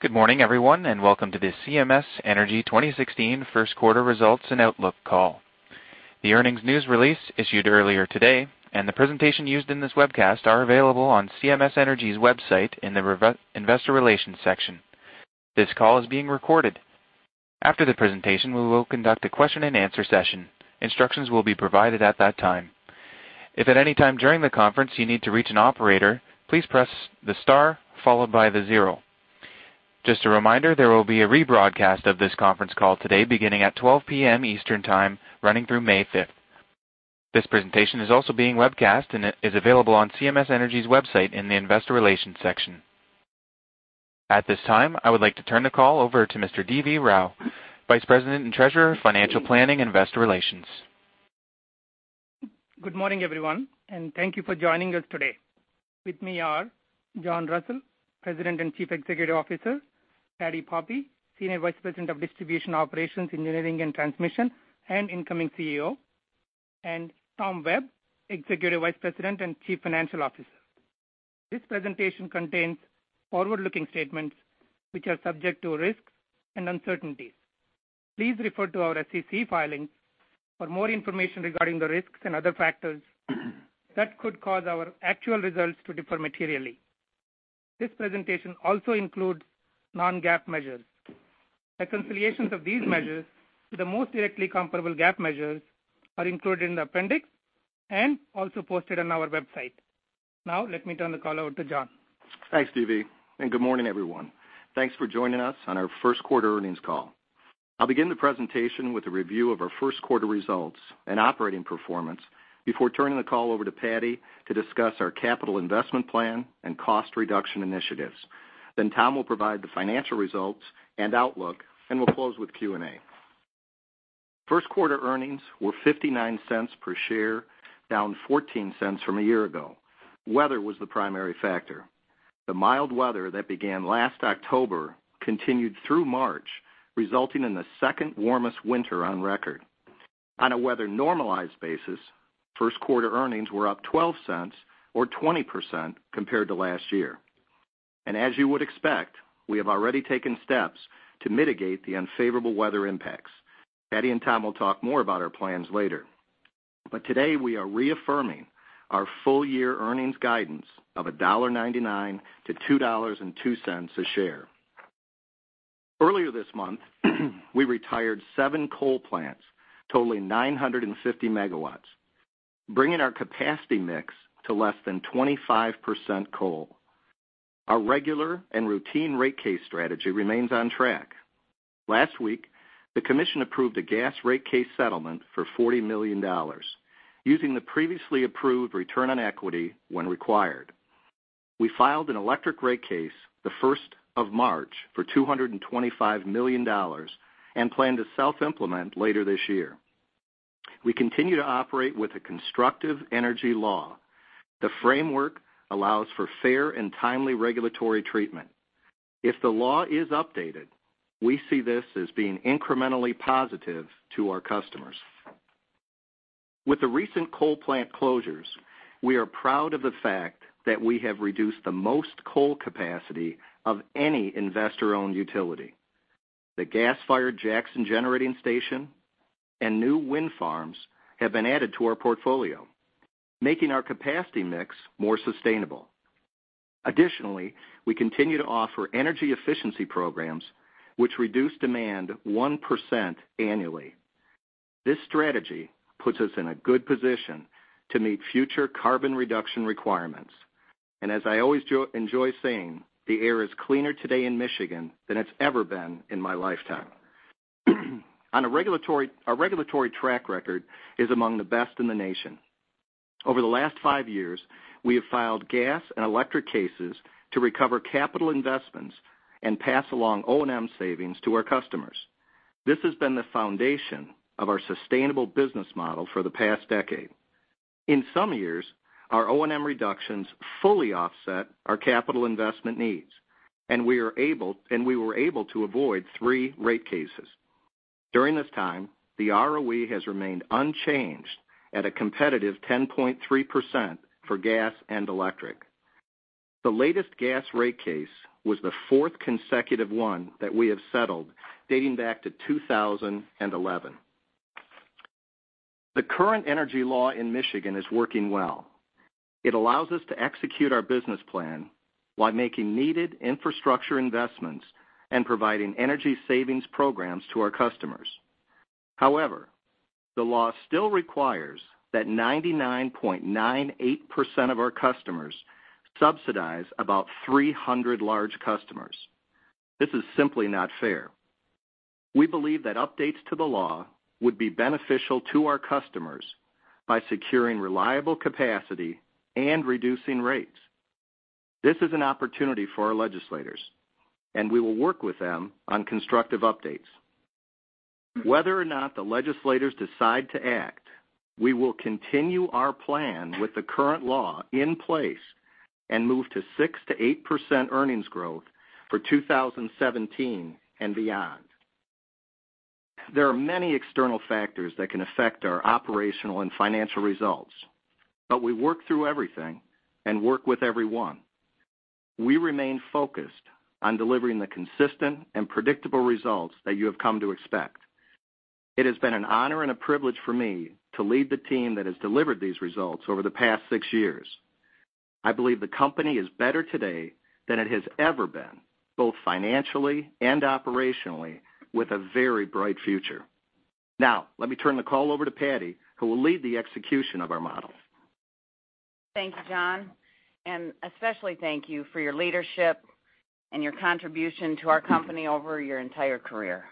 Good morning, everyone, and welcome to the CMS Energy 2016 first quarter results and outlook call. The earnings news release issued earlier today and the presentation used in this webcast are available on CMS Energy's website in the investor relations section. This call is being recorded. After the presentation, we will conduct a question and answer session. Instructions will be provided at that time. If at any time during the conference you need to reach an operator, please press the star followed by the 0. Just a reminder, there will be a rebroadcast of this conference call today beginning at 12:00 P.M. Eastern Time, running through May 5th. This presentation is also being webcast and is available on CMS Energy's website in the investor relations section. At this time, I would like to turn the call over to Mr. DV Rao, Vice President and Treasurer, Financial Planning, Investor Relations. Good morning, everyone, and thank you for joining us today. With me are John Russell, President and Chief Executive Officer, Patti Poppe, Senior Vice President of Distribution Operations, Engineering and Transmission and incoming CEO, and Tom Webb, Executive Vice President and Chief Financial Officer. This presentation contains forward-looking statements which are subject to risks and uncertainties. Please refer to our SEC filings for more information regarding the risks and other factors that could cause our actual results to differ materially. This presentation also includes non-GAAP measures. Reconciliations of these measures to the most directly comparable GAAP measures are included in the appendix and also posted on our website. Let me turn the call over to John. Thanks, DV, good morning, everyone. Thanks for joining us on our first quarter earnings call. I'll begin the presentation with a review of our first quarter results and operating performance before turning the call over to Patti to discuss our capital investment plan and cost reduction initiatives. Tom will provide the financial results and outlook, and we'll close with Q&A. First quarter earnings were $0.59 per share, down $0.14 from a year ago. Weather was the primary factor. The mild weather that began last October continued through March, resulting in the second warmest winter on record. On a weather-normalized basis, first quarter earnings were up $0.12 or 20% compared to last year. As you would expect, we have already taken steps to mitigate the unfavorable weather impacts. Patti and Tom will talk more about our plans later. Today we are reaffirming our full-year earnings guidance of $1.99-$2.02 a share. Earlier this month, we retired seven coal plants totaling 950 MW, bringing our capacity mix to less than 25% coal. Our regular and routine rate case strategy remains on track. Last week, the commission approved a gas rate case settlement for $40 million using the previously approved return on equity when required. We filed an electric rate case the first of March for $225 million and plan to self-implement later this year. We continue to operate with a constructive energy law. The framework allows for fair and timely regulatory treatment. If the law is updated, we see this as being incrementally positive to our customers. With the recent coal plant closures, we are proud of the fact that we have reduced the most coal capacity of any investor-owned utility. The gas-fired Jackson Generating Station and new wind farms have been added to our portfolio, making our capacity mix more sustainable. Additionally, we continue to offer energy efficiency programs which reduce demand 1% annually. This strategy puts us in a good position to meet future carbon reduction requirements. As I always enjoy saying, the air is cleaner today in Michigan than it's ever been in my lifetime. Our regulatory track record is among the best in the nation. Over the last five years, we have filed gas and electric cases to recover capital investments and pass along O&M savings to our customers. This has been the foundation of our sustainable business model for the past decade. In some years, our O&M reductions fully offset our capital investment needs, and we were able to avoid three rate cases. During this time, the ROE has remained unchanged at a competitive 10.3% for gas and electric. The latest gas rate case was the fourth consecutive one that we have settled, dating back to 2011. The current energy law in Michigan is working well. It allows us to execute our business plan while making needed infrastructure investments and providing energy savings programs to our customers. However, the law still requires that 99.98% of our customers subsidize about 300 large customers. This is simply not fair. We believe that updates to the law would be beneficial to our customers by securing reliable capacity and reducing rates. This is an opportunity for our legislators. We will work with them on constructive updates. Whether or not the legislators decide to act, we will continue our plan with the current law in place and move to 6%-8% earnings growth for 2017 and beyond. There are many external factors that can affect our operational and financial results, but we work through everything and work with everyone. We remain focused on delivering the consistent and predictable results that you have come to expect. It has been an honor and a privilege for me to lead the team that has delivered these results over the past six years. I believe the company is better today than it has ever been, both financially and operationally, with a very bright future. Now, let me turn the call over to Patti, who will lead the execution of our model. Thank you, John, especially thank you for your leadership and your contribution to our company over your entire career.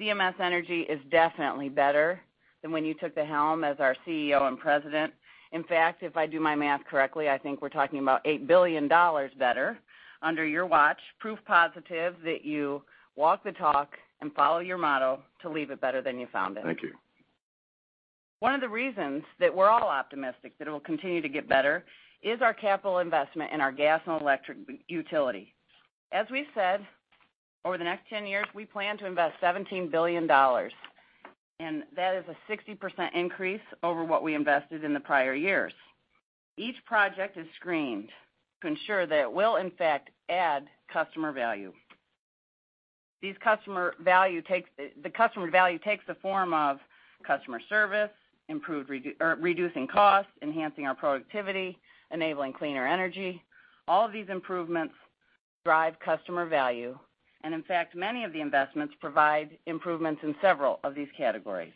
CMS Energy is definitely better than when you took the helm as our CEO and President. In fact, if I do my math correctly, I think we're talking about $8 billion better under your watch, proof positive that you walk the talk and follow your motto to leave it better than you found it. Thank you. One of the reasons that we're all optimistic that it will continue to get better is our capital investment in our gas and electric utility. As we've said, over the next 10 years, we plan to invest $17 billion. That is a 60% increase over what we invested in the prior years. Each project is screened to ensure that it will in fact add customer value. The customer value takes the form of customer service, reducing costs, enhancing our productivity, enabling cleaner energy. All of these improvements drive customer value. In fact, many of the investments provide improvements in several of these categories.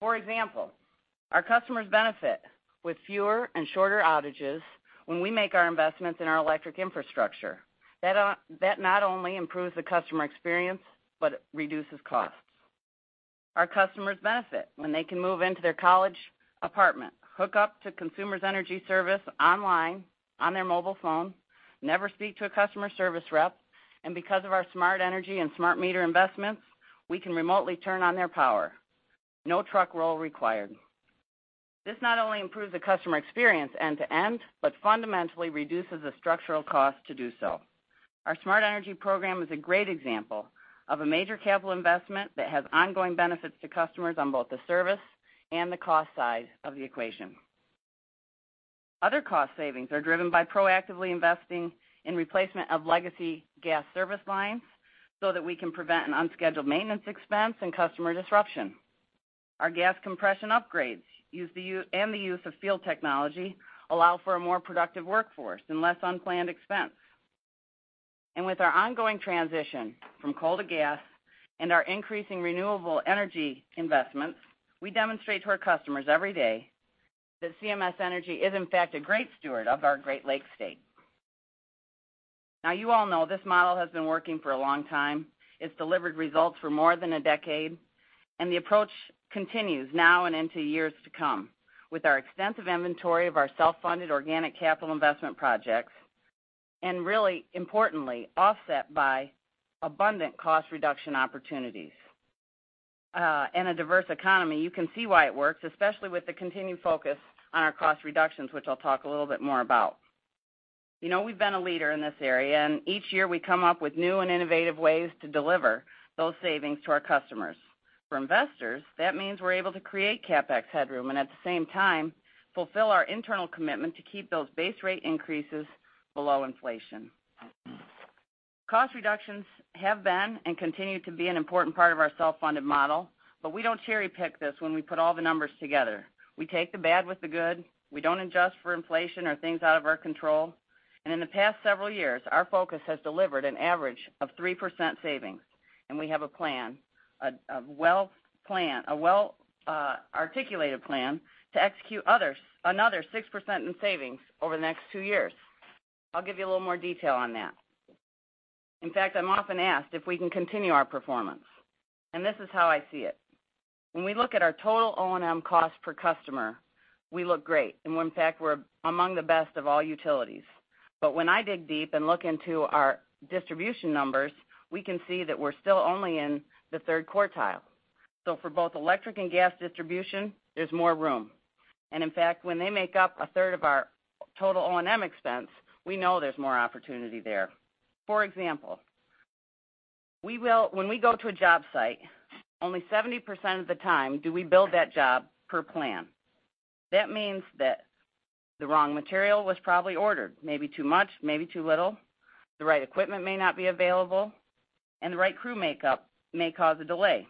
For example, our customers benefit with fewer and shorter outages when we make our investments in our electric infrastructure. That not only improves the customer experience, it reduces costs. Our customers benefit when they can move into their college apartment, hook up to Consumers Energy service online, on their mobile phone, never speak to a customer service rep. Because of our Smart Energy and smart meter investments, we can remotely turn on their power. No truck roll required. This not only improves the customer experience end to end, fundamentally reduces the structural cost to do so. Our Smart Energy program is a great example of a major capital investment that has ongoing benefits to customers on both the service and the cost side of the equation. Other cost savings are driven by proactively investing in replacement of legacy gas service lines so that we can prevent an unscheduled maintenance expense and customer disruption. Our gas compression upgrades and the use of field technology allow for a more productive workforce and less unplanned expense. With our ongoing transition from coal to gas and our increasing renewable energy investments, we demonstrate to our customers every day that CMS Energy is, in fact, a great steward of our Great Lakes state. Now, you all know this model has been working for a long time. It's delivered results for more than a decade. The approach continues now and into years to come. With our extensive inventory of our self-funded organic capital investment projects, really importantly, offset by abundant cost reduction opportunities, a diverse economy, you can see why it works, especially with the continued focus on our cost reductions, which I'll talk a little bit more about. You know, we've been a leader in this area. Each year we come up with new and innovative ways to deliver those savings to our customers. For investors, that means we're able to create CapEx headroom, and at the same time, fulfill our internal commitment to keep those base rate increases below inflation. Cost reductions have been and continue to be an important part of our self-funded model, but we don't cherry-pick this when we put all the numbers together. We take the bad with the good. We don't adjust for inflation or things out of our control. In the past several years, our focus has delivered an average of 3% savings, and we have a plan, a well-articulated plan, to execute another 6% in savings over the next two years. I'll give you a little more detail on that. In fact, I'm often asked if we can continue our performance, and this is how I see it. When we look at our total O&M cost per customer, we look great, and when in fact, we're among the best of all utilities. When I dig deep and look into our distribution numbers, we can see that we're still only in the third quartile. For both electric and gas distribution, there's more room. In fact, when they make up a third of our total O&M expense, we know there's more opportunity there. For example, when we go to a job site, only 70% of the time do we build that job per plan. That means that the wrong material was probably ordered, maybe too much, maybe too little. The right equipment may not be available, and the right crew makeup may cause a delay.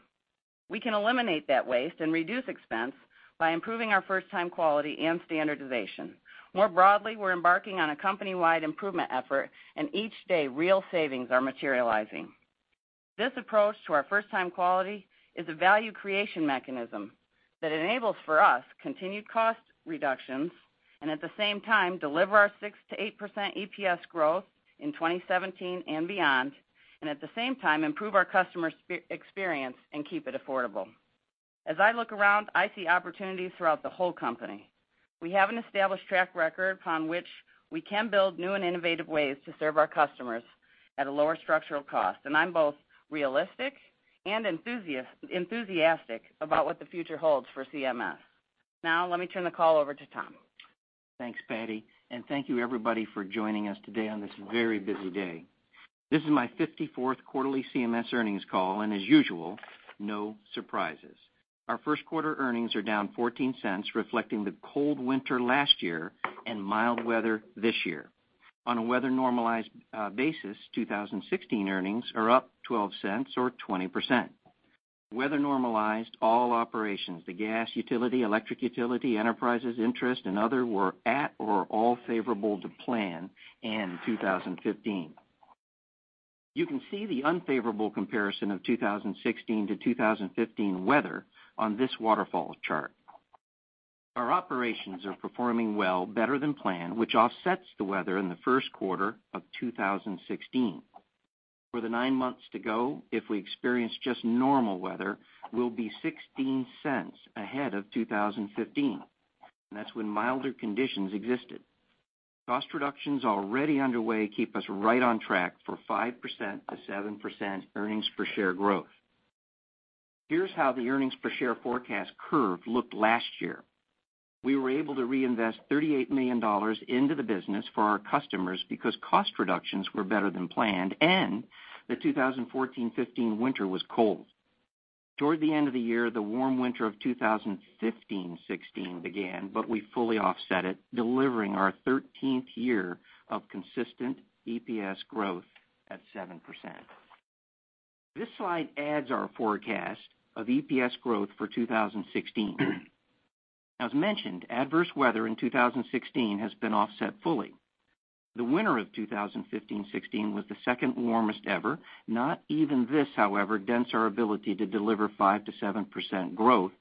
We can eliminate that waste and reduce expense by improving our first-time quality and standardization. More broadly, we're embarking on a company-wide improvement effort, each day, real savings are materializing. This approach to our first-time quality is a value creation mechanism that enables for us continued cost reductions, at the same time, deliver our 6%-8% EPS growth in 2017 and beyond, at the same time, improve our customer experience and keep it affordable. As I look around, I see opportunities throughout the whole company. We have an established track record upon which we can build new and innovative ways to serve our customers at a lower structural cost, I'm both realistic and enthusiastic about what the future holds for CMS. Now, let me turn the call over to Tom. Thanks, Patti, thank you everybody for joining us today on this very busy day. This is my 54th quarterly CMS earnings call, as usual, no surprises. Our first quarter earnings are down $0.14, reflecting the cold winter last year and mild weather this year. On a weather-normalized basis, 2016 earnings are up $0.12 or 20%. Weather-normalized all operations, the gas utility, electric utility, enterprises, interest, and other were at or all favorable to plan in 2015. You can see the unfavorable comparison of 2016 to 2015 weather on this waterfall chart. Our operations are performing well, better than planned, which offsets the weather in the first quarter of 2016. For the nine months to go, if we experience just normal weather, we'll be $0.16 ahead of 2015, that's when milder conditions existed. Cost reductions already underway keep us right on track for 5%-7% earnings-per-share growth. Here's how the EPS forecast curve looked last year. We were able to reinvest $38 million into the business for our customers because cost reductions were better than planned, and the 2014-2015 winter was cold. Toward the end of the year, the warm winter of 2015-2016 began, but we fully offset it, delivering our 13th year of consistent EPS growth at 7%. This slide adds our forecast of EPS growth for 2016. As mentioned, adverse weather in 2016 has been offset fully. The winter of 2015-2016 was the second warmest ever. Not even this, however, dents our ability to deliver 5%-7% growth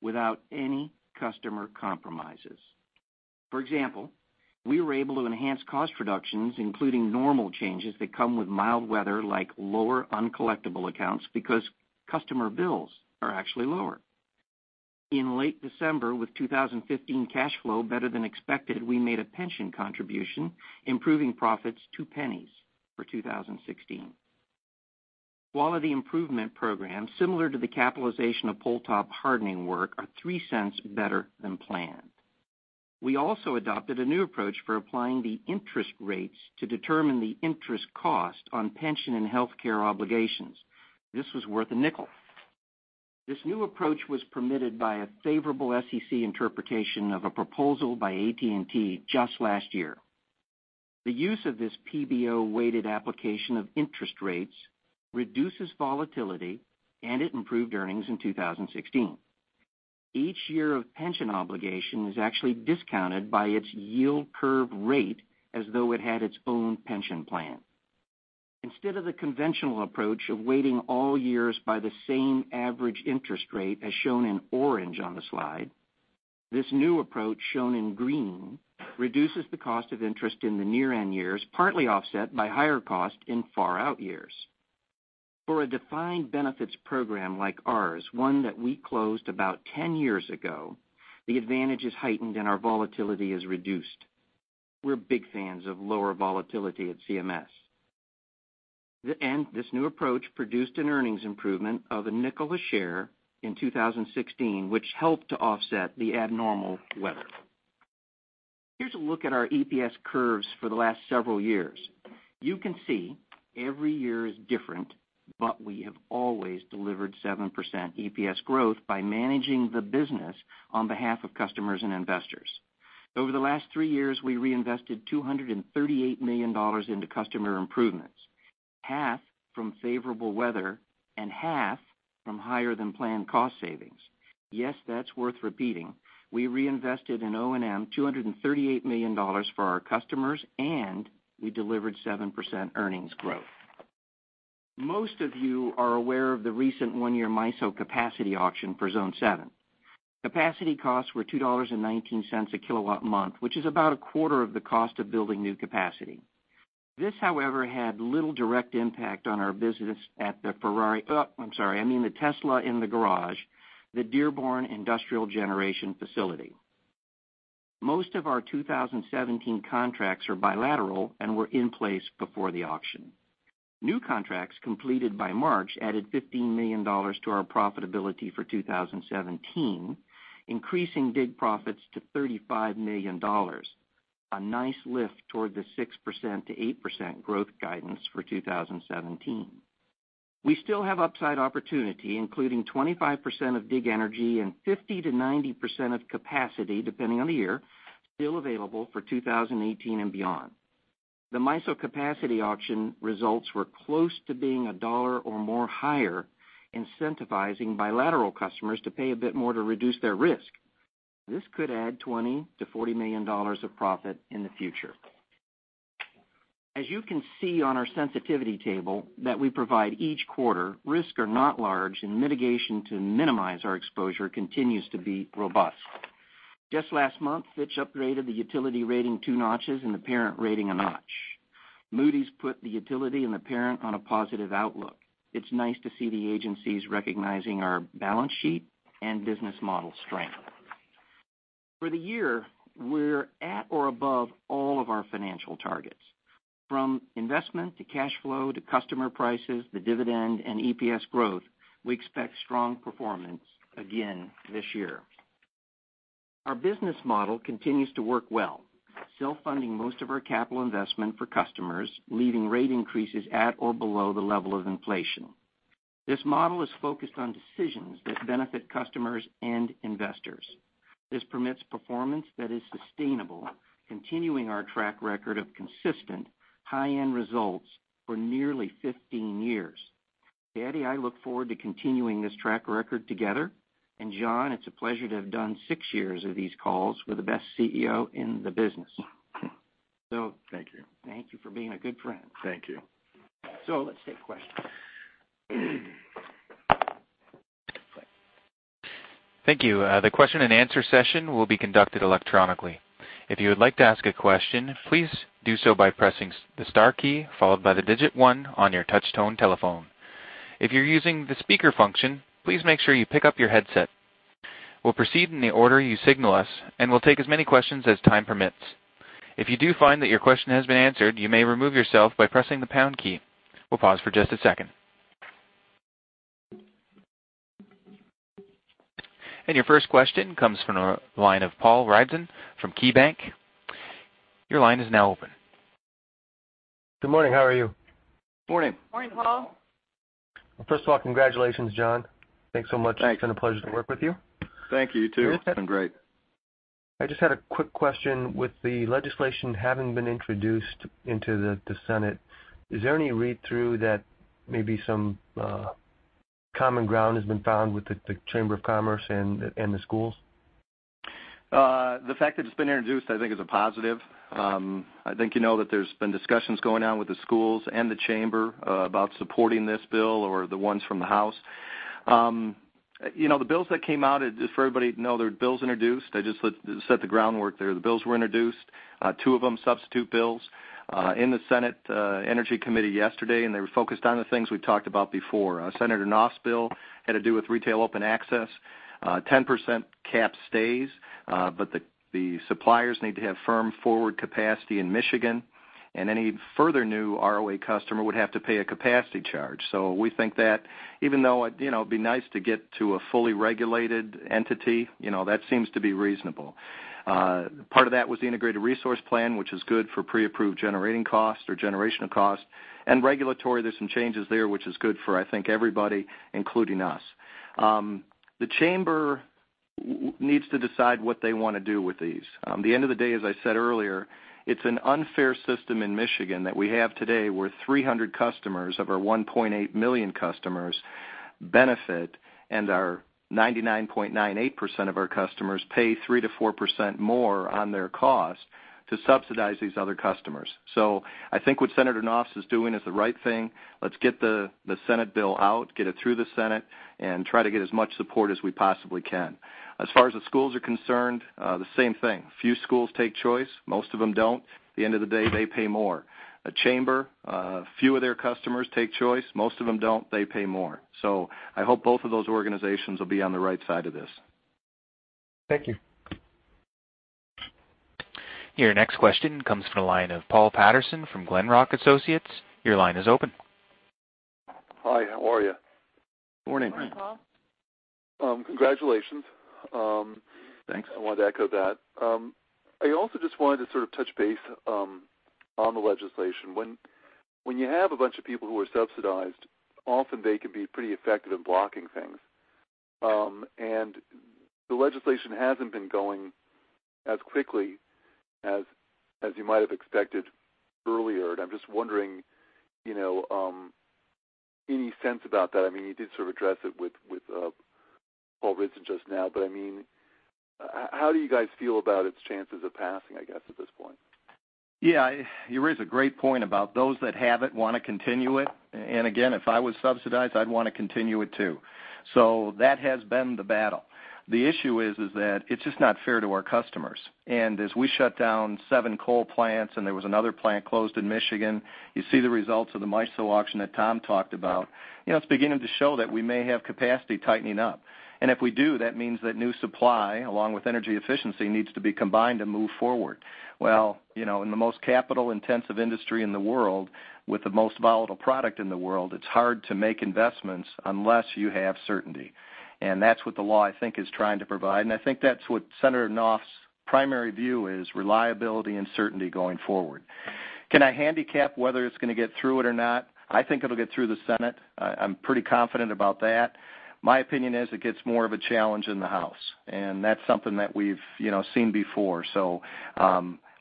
without any customer compromises. For example, we were able to enhance cost reductions, including normal changes that come with mild weather, like lower uncollectible accounts, because customer bills are actually lower. In late December, with 2015 cash flow better than expected, we made a pension contribution, improving profits $0.02 for 2016. Quality improvement programs, similar to the capitalization of pole top hardening work, are $0.03 better than planned. We also adopted a new approach for applying the interest rates to determine the interest cost on pension and healthcare obligations. This was worth $0.05. This new approach was permitted by a favorable SEC interpretation of a proposal by AT&T just last year. The use of this PBO-weighted application of interest rates reduces volatility, and it improved earnings in 2016. Each year of pension obligation is actually discounted by its yield curve rate as though it had its own pension plan. Instead of the conventional approach of weighting all years by the same average interest rate, as shown in orange on the slide, this new approach, shown in green, reduces the cost of interest in the near-end years, partly offset by higher cost in far-out years. For a defined benefits program like ours, one that we closed about 10 years ago, the advantage is heightened, and our volatility is reduced. We're big fans of lower volatility at CMS. This new approach produced an earnings improvement of $0.05 a share in 2016, which helped to offset the abnormal weather. Here's a look at our EPS curves for the last several years. You can see every year is different, but we have always delivered 7% EPS growth by managing the business on behalf of customers and investors. Over the last three years, we reinvested $238 million into customer improvements, half from favorable weather and half from higher-than-planned cost savings. Yes, that's worth repeating. We reinvested in O&M $238 million for our customers, and we delivered 7% earnings growth. Most of you are aware of the recent one-year MISO capacity auction for Zone 7. Capacity costs were $2.19 a kilowatt a month, which is about a quarter of the cost of building new capacity. This, however, had little direct impact on our business at the Ferrari, I mean, the Tesla in the garage, the Dearborn Industrial Generation Facility. Most of our 2017 contracts are bilateral and were in place before the auction. New contracts completed by March added $15 million to our profitability for 2017, increasing DIG profits to $35 million. A nice lift toward the 6%-8% growth guidance for 2017. We still have upside opportunity, including 25% of DIG energy and 50%-90% of capacity, depending on the year, still available for 2018 and beyond. The MISO capacity auction results were close to being $1 or more higher, incentivizing bilateral customers to pay a bit more to reduce their risk. This could add $20 million-$40 million of profit in the future. As you can see on our sensitivity table that we provide each quarter, risks are not large, and mitigation to minimize our exposure continues to be robust. Just last month, Fitch upgraded the utility rating two notches and the parent rating a notch. Moody's put the utility and the parent on a positive outlook. It's nice to see the agencies recognizing our balance sheet and business model strength. For the year, we're at or above all of our financial targets. From investment to cash flow to customer prices, the dividend and EPS growth, we expect strong performance again this year. Our business model continues to work well, self-funding most of our capital investment for customers, leaving rate increases at or below the level of inflation. This model is focused on decisions that benefit customers and investors. This permits performance that is sustainable, continuing our track record of consistent high-end results for nearly 15 years. Patti, I look forward to continuing this track record together. John, it's a pleasure to have done six years of these calls with the best CEO in the business. Thank you. Thank you for being a good friend. Thank you. Let's take questions. Thank you. The question and answer session will be conducted electronically. If you would like to ask a question, please do so by pressing the star key followed by the digit 1 on your touch-tone telephone. If you're using the speaker function, please make sure you pick up your headset. We'll proceed in the order you signal us, and we'll take as many questions as time permits. If you do find that your question has been answered, you may remove yourself by pressing the pound key. We'll pause for just a second. Your first question comes from the line of Paul Ridzon from KeyBanc. Your line is now open. Good morning. How are you? Morning. Morning, Paul. First of all, congratulations, John. Thanks so much. Thanks. It's been a pleasure to work with you. Thank you, too. It's been great. I just had a quick question. With the legislation having been introduced into the Senate, is there any read-through that maybe some common ground has been found with the Chamber of Commerce and the schools? The fact that it's been introduced, I think is a positive. I think you know there's been discussions going on with the schools and the Chamber about supporting this bill or the ones from the House. The bills that came out, just for everybody to know, they're bills introduced. They just set the groundwork there. The bills were introduced, two of them substitute bills, in the Senate Energy Committee yesterday, and they were focused on the things we talked about before. Senator Nofs' bill had to do with retail open access. 10% cap stays, but the suppliers need to have firm forward capacity in Michigan, and any further new ROA customer would have to pay a capacity charge. We think that even though it'd be nice to get to a fully regulated entity, that seems to be reasonable. Part of that was the integrated resource plan, which is good for pre-approved generating cost or generational cost. Regulatory, there's some changes there, which is good for, I think, everybody, including us. The Chamber needs to decide what they want to do with these. The end of the day, as I said earlier, it's an unfair system in Michigan that we have today, where 300 customers of our 1.8 million customers benefit, and our 99.98% of our customers pay 3%-4% more on their cost to subsidize these other customers. I think what Senator Nofs is doing is the right thing. Let's get the Senate bill out, get it through the Senate, and try to get as much support as we possibly can. As far as the schools are concerned, the same thing. Few schools take choice. Most of them don't. At the end of the day, they pay more. A Chamber, a few of their customers take choice. Most of them don't. They pay more. I hope both of those organizations will be on the right side of this. Thank you. Your next question comes from the line of Paul Patterson from Glenrock Associates. Your line is open. Hi, how are you? Morning. Morning, Paul. Congratulations. Thanks. I wanted to echo that. I also just wanted to sort of touch base on the legislation. When you have a bunch of people who are subsidized, often they can be pretty effective in blocking things. The legislation hasn't been going as quickly as you might have expected earlier. I'm just wondering, any sense about that? You did sort of address it with Paul Ridzon just now, but how do you guys feel about its chances of passing, I guess, at this point? Yeah. You raise a great point about those that have it want to continue it. Again, if I was subsidized, I'd want to continue it, too. That has been the battle. The issue is that it's just not fair to our customers. As we shut down seven coal plants, and there was another plant closed in Michigan, you see the results of the MISO auction that Tom talked about. It's beginning to show that we may have capacity tightening up. If we do, that means that new supply, along with energy efficiency, needs to be combined to move forward. Well, in the most capital-intensive industry in the world with the most volatile product in the world, it's hard to make investments unless you have certainty. That's what the law, I think, is trying to provide. I think that's what Senator Nofs' primary view is, reliability and certainty going forward. Can I handicap whether it's going to get through it or not? I think it'll get through the Senate. I'm pretty confident about that. My opinion is it gets more of a challenge in the House, and that's something that we've seen before.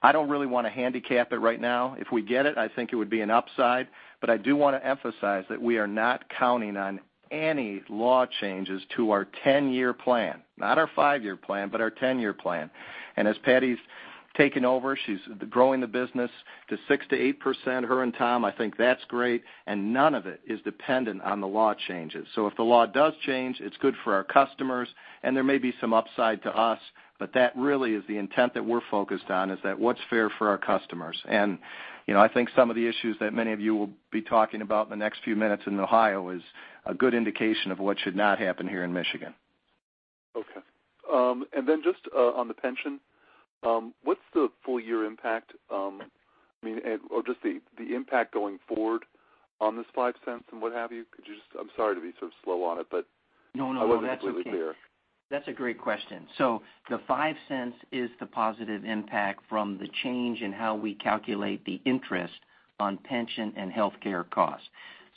I don't really want to handicap it right now. If we get it, I think it would be an upside. But I do want to emphasize that we are not counting on any law changes to our 10-year plan. Not our five-year plan, but our 10-year plan. As Patti's taken over, she's growing the business to 6%-8%, her and Tom. I think that's great, none of it is dependent on the law changes. If the law does change, it's good for our customers, and there may be some upside to us, but that really is the intent that we're focused on, is that what's fair for our customers. I think some of the issues that many of you will be talking about in the next few minutes in Ohio is a good indication of what should not happen here in Michigan. Okay. Just on the pension, what's the full year impact? Or just the impact going forward on this $0.05 and what have you? Could you just I'm sorry to be so slow on it. No, that's okay. I wasn't completely clear. That's a great question. The $0.05 is the positive impact from the change in how we calculate the interest on pension and healthcare costs.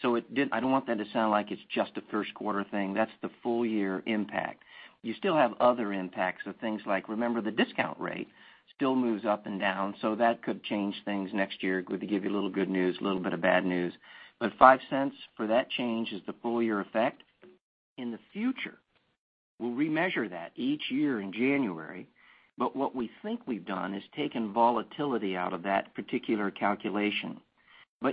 I don't want that to sound like it's just a first quarter thing. That's the full year impact. You still have other impacts of things like, remember, the discount rate still moves up and down, so that could change things next year. Could give you a little good news, a little bit of bad news. The $0.05 for that change is the full year effect. In the future, we'll remeasure that each year in January. What we think we've done is taken volatility out of that particular calculation.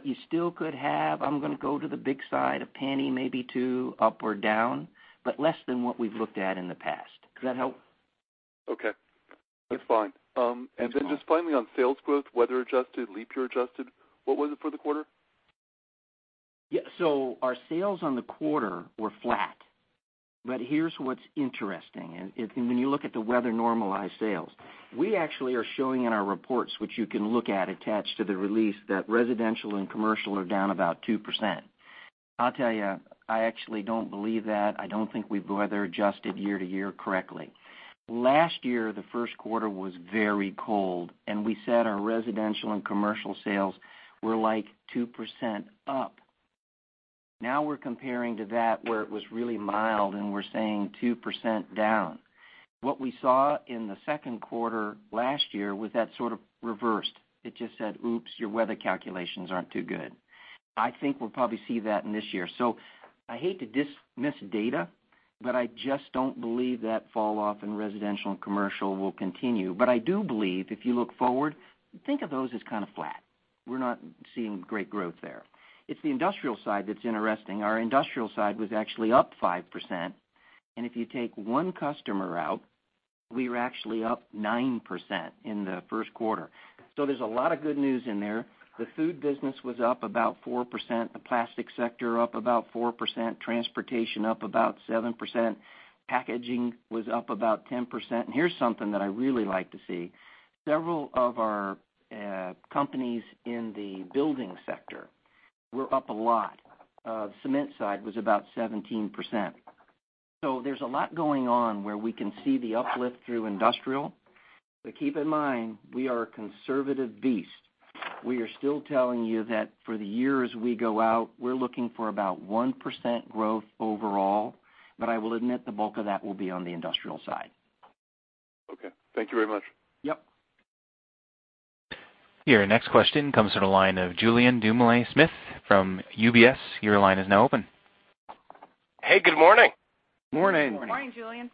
You still could have, I'm going to go to the big side, $0.01, maybe two up or down, but less than what we've looked at in the past. Does that help? Okay. That's fine. Sure. Just finally on sales growth, weather-adjusted, leap-year adjusted, what was it for the quarter? Yeah. Our sales on the quarter were flat. Here's what's interesting, and when you look at the weather-normalized sales, we actually are showing in our reports, which you can look at attached to the release, that residential and commercial are down about 2%. I'll tell you, I actually don't believe that. I don't think we've weather-adjusted year-to-year correctly. Last year, the first quarter was very cold, and we said our residential and commercial sales were like 2% up. Now we're comparing to that where it was really mild, and we're saying 2% down. What we saw in the second quarter last year was that sort of reversed. It just said, "Oops, your weather calculations aren't too good." I think we'll probably see that in this year. I hate to dismiss data, but I just don't believe that falloff in residential and commercial will continue. I do believe if you look forward, think of those as kind of flat. We're not seeing great growth there. It's the industrial side that's interesting. Our industrial side was actually up 5%, and if you take one customer out, we were actually up 9% in the first quarter. There's a lot of good news in there. The food business was up about 4%, the plastic sector up about 4%, transportation up about 7%, packaging was up about 10%. Here's something that I really like to see. Several of our companies in the building sector were up a lot. Cement side was about 17%. There's a lot going on where we can see the uplift through industrial. Keep in mind, we are a conservative beast. We are still telling you that for the years we go out, we're looking for about 1% growth overall. I will admit the bulk of that will be on the industrial side. Okay. Thank you very much. Yep. Your next question comes to the line of Julien Dumoulin-Smith from UBS. Your line is now open. Hey, good morning. Morning. Morning, Julien.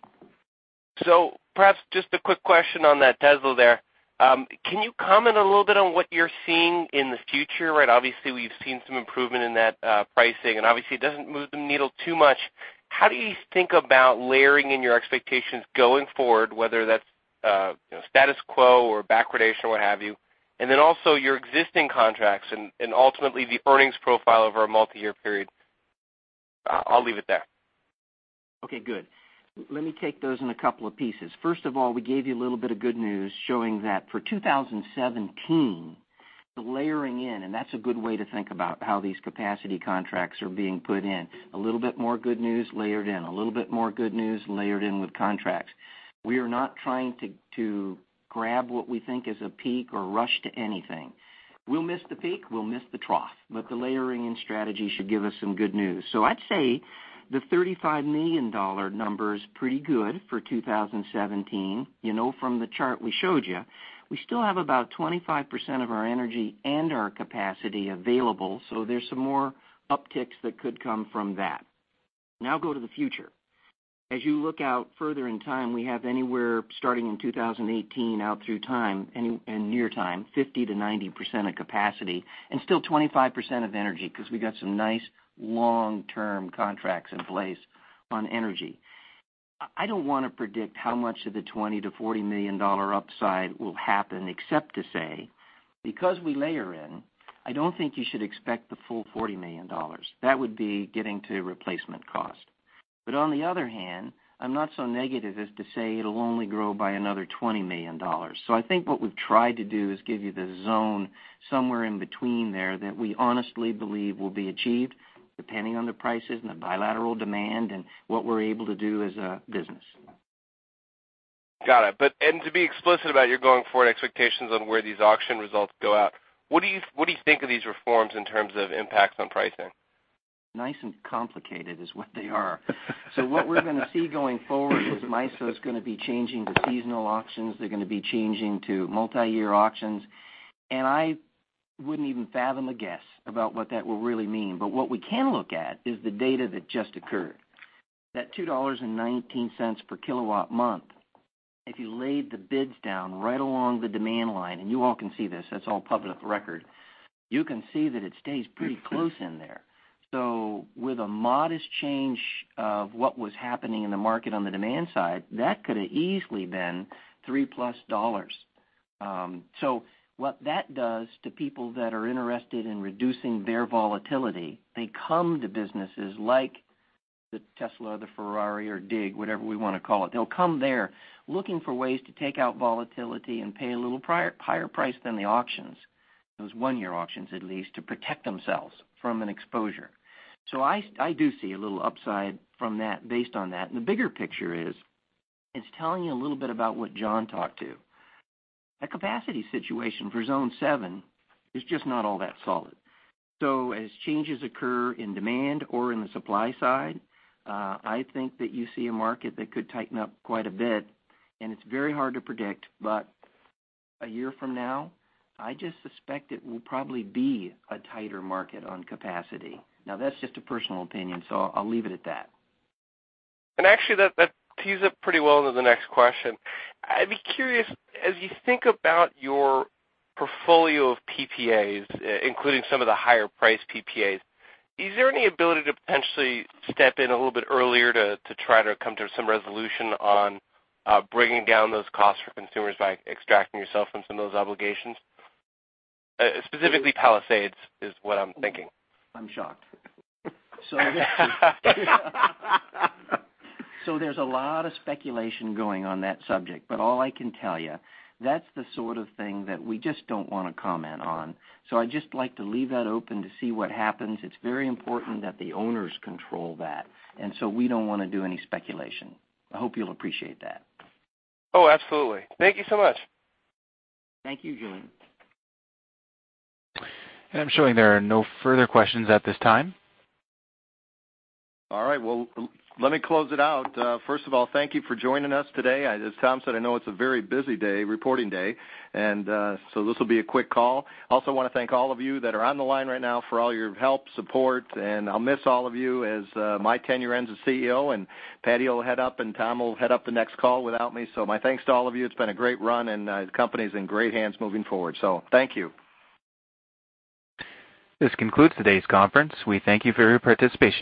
Perhaps just a quick question on that Tesla there. Can you comment a little bit on what you're seeing in the future? Obviously, we've seen some improvement in that pricing, and obviously, it doesn't move the needle too much. How do you think about layering in your expectations going forward, whether that's status quo or backwardation, what have you? Also your existing contracts and ultimately the earnings profile over a multi-year period. I'll leave it there. Okay, good. Let me take those in a couple of pieces. First of all, we gave you a little bit of good news showing that for 2017, the layering in. That's a good way to think about how these capacity contracts are being put in. A little bit more good news layered in, a little bit more good news layered in with contracts. We are not trying to grab what we think is a peak or rush to anything. We'll miss the peak, we'll miss the trough. The layering in strategy should give us some good news. I'd say the $35 million number is pretty good for 2017. You know from the chart we showed you, we still have about 25% of our energy and our capacity available. There's some more upticks that could come from that. Now go to the future. As you look out further in time, we have anywhere starting in 2018 out through time and near time, 50%-90% of capacity and still 25% of energy because we got some nice long-term contracts in place on energy. I don't want to predict how much of the $20 million-$40 million upside will happen except to say, because we layer in, I don't think you should expect the full $40 million. That would be getting to replacement cost. On the other hand, I'm not so negative as to say it'll only grow by another $20 million. I think what we've tried to do is give you the zone somewhere in between there that we honestly believe will be achieved depending on the prices and the bilateral demand and what we're able to do as a business. Got it. To be explicit about your going forward expectations on where these auction results go out, what do you think of these reforms in terms of impacts on pricing? Nice and complicated is what they are. What we're going to see going forward is MISO is going to be changing the seasonal auctions. They're going to be changing to multi-year auctions. I wouldn't even fathom a guess about what that will really mean. What we can look at is the data that just occurred. That $2.19 per kilowatt month, if you laid the bids down right along the demand line, and you all can see this, that's all public record. You can see that it stays pretty close in there. With a modest change of what was happening in the market on the demand side, that could have easily been $3+. What that does to people that are interested in reducing their volatility, they come to businesses like the Tesla or the Ferrari or DIG, whatever we want to call it. They'll come there looking for ways to take out volatility and pay a little higher price than the auctions, those one-year auctions, at least, to protect themselves from an exposure. I do see a little upside from that based on that. The bigger picture is, it's telling you a little bit about what John talked to. The capacity situation for Zone 7 is just not all that solid. As changes occur in demand or in the supply side, I think that you see a market that could tighten up quite a bit, and it's very hard to predict. A year from now, I just suspect it will probably be a tighter market on capacity. Now, that's just a personal opinion, so I'll leave it at that. Actually, that tees up pretty well into the next question. I'd be curious, as you think about your portfolio of PPAs, including some of the higher priced PPAs, is there any ability to potentially step in a little bit earlier to try to come to some resolution on bringing down those costs for consumers by extracting yourself from some of those obligations? Specifically, Palisades is what I'm thinking. I'm shocked. There's a lot of speculation going on that subject, all I can tell you, that's the sort of thing that we just don't want to comment on. I'd just like to leave that open to see what happens. It's very important that the owners control that. We don't want to do any speculation. I hope you'll appreciate that. Oh, absolutely. Thank you so much. Thank you, Julien. I'm showing there are no further questions at this time. Well, let me close it out. First of all, thank you for joining us today. As Tom said, I know it's a very busy day, reporting day. This will be a quick call. I also want to thank all of you that are on the line right now for all your help, support, and I'll miss all of you as my tenure ends as CEO, and Patti will head up and Tom will head up the next call without me. My thanks to all of you. It's been a great run, and the company's in great hands moving forward. Thank you. This concludes today's conference. We thank you for your participation.